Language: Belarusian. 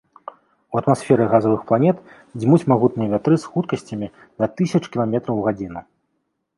У атмасферы газавых планет дзьмуць магутныя вятры з хуткасцямі да тысяч кіламетраў у гадзіну.